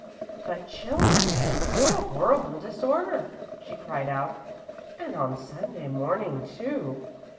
"But children, what a horrible disorder!" she cried out, "and on Sunday morning, too.